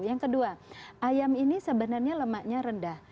yang kedua ayam ini sebenarnya lemaknya rendah